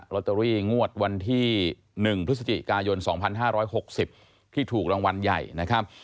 ล็อตเตอรี่งวดวันที่หนึ่งพฤศจิกายนสองพันห้าร้อยหกสิบที่ถูกรางวัลใหญ่นะครับ